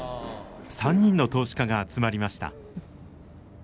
３人の投資家が集まりました。